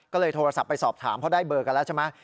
ก็เลยโทรศัพท์ไปสอบถามเพราะได้เบอร์กันแล้วใช่ไหม